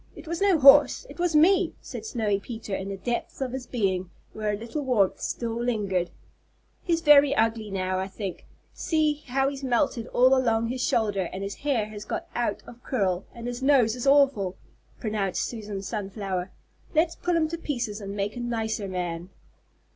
It was no horse. It was me," said Snowy Peter in the depths of his being, where a little warmth still lingered. "He's very ugly now, I think; see how he's melted all along his shoulder, and his hair has got out of curl, and his nose is awful," pronounced Susan Sunflower. "Let's pull him to pieces and make a nicer man."